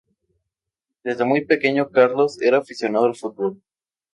Desde muy pequeño, Carlos era aficionado al fútbol.